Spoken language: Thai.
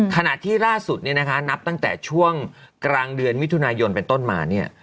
ขณะที่ล่าสุดเนี่ยนะคะนับตั้งแต่ช่วงกลางเดือนมิถุนายนเป็นต้นมาเนี่ย